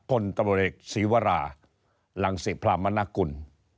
พลตำรวจเอกศีวรารังศิพรามณกุล